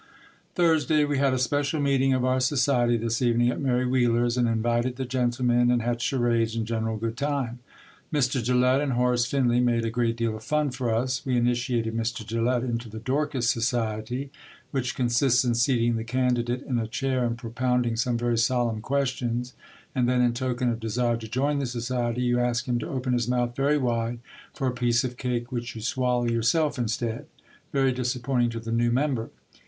Thursday. We had a special meeting of our society this evening at Mary Wheeler's and invited the gentlemen and had charades and general good time. Mr. Gillette and Horace Finley made a great deal of fun for us. We initiated Mr. Gillette into the Dorcas Society, which consists in seating the candidate in a chair and propounding some very solemn questions and then in token of desire to join the society, you ask him to open his mouth very wide for a piece of cake which you swallow, yourself, instead! Very disappointing to the new member!